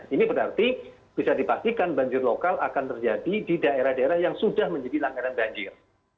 ini berarti bisa dipastikan banjir lokal akan terjadi di daerah daerah yang sudah menjadi langganan banjir